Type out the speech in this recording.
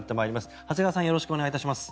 よろしくお願いします。